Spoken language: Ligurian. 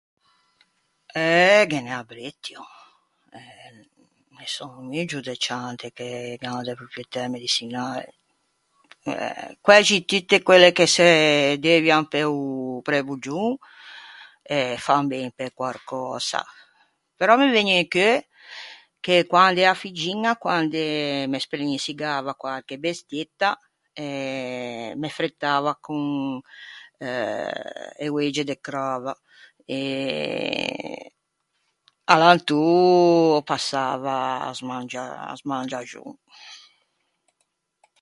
Eh, ghe n’é abrettio, e ne sò un muggio de ciante che gh’an de propietæ mediçinale. Quæxi tutte quelle che se deuvian pe-o preboggion eh fan ben pe quarcösa. Però me vëgne in cheu che quand’ea figgiña, quande me spellinsigava quarche bestieta... eh... me frettava con euh e oege de crava e... alantô o passava a smangia- a smangiaxon.